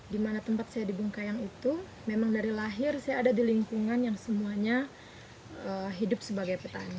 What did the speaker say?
di mana tempat saya di bungkayang itu memang dari lahir saya ada di lingkungan yang semuanya hidup sebagai petani